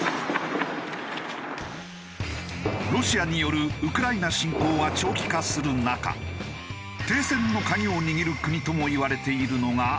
ロシアによるウクライナ侵攻が長期化する中停戦の鍵を握る国ともいわれているのがインド。